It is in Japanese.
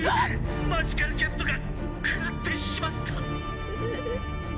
マジカルキャットがくらってしまった」。